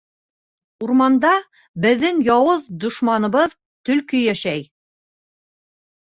— Урманда беҙҙең яуыз дошманыбыҙ төлкө йәшәй.